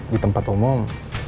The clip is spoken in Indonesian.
di tempat umum